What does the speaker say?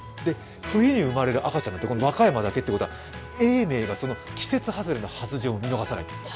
冬に生まれる赤ちゃんは和歌山だけってことは、永明がその季節外れの発情を見逃さない。